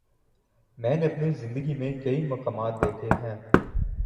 میں نے اپنی زندگی میں کئی مقامات دیکھے ہیں۔